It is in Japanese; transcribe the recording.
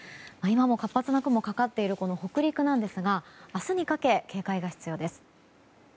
今も活発な雲がかかっている北陸ですが明日にかけ警戒が必要です。